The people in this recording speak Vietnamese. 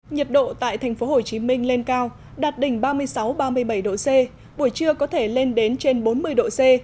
nhiệt độ tại thành phố hồ chí minh lên cao đạt đỉnh ba mươi sáu ba mươi bảy độ c buổi trưa có thể lên đến trên bốn mươi độ c